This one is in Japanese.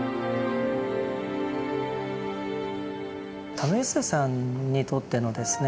為末さんにとってのですね